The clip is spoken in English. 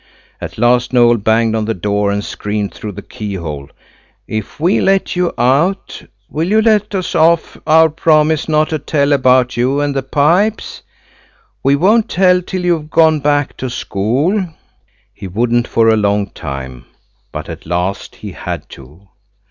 At last Noël banged on the door and screamed through the keyhole– "If we let you out will you let us off our promise not to tell about you and the pipes? We won't tell till you've gone back to school." He wouldn't for a long time, but at last he had to.